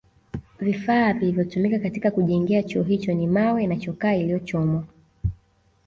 Vifaa vilivyotumika katika kujengea Chuo hicho ni mawe na chokaa iliyochomwa